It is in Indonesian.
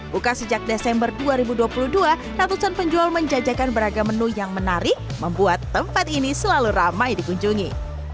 buka sejak desember dua ribu dua puluh dua ratusan penjual menjajakan beragam menu yang menarik membuat tempat ini selalu ramai dikunjungi